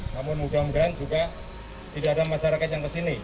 namun mudah mudahan juga tidak ada masyarakat yang kesini